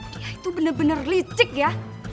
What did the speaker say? dia itu benar benar licik ya